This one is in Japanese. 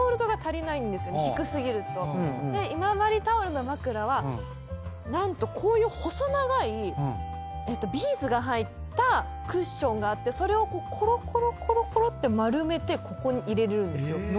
今治タオルのまくらは何とこういう細長いビーズが入ったクッションがあってそれをコロコロコロコロって丸めてここに入れるんですよ。